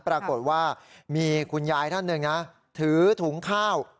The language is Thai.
ปรากฏว่ามีคุณยายท่านหนึ่งนะถือถุงข้าว